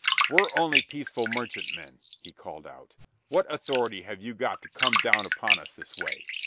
"We're only peaceful merchantmen!" he called out. "What authority have you got to come down upon us this way?